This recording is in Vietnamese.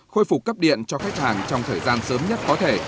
khôi phục cấp điện cho khách hàng trong thời gian sớm nhất có thể